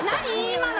今の。